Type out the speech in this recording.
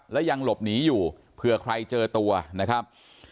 และยังหลบหนีอยู่เผื่อใครเจอตัวนะครับ